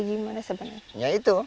bagi masyarakat adat kutatnya apa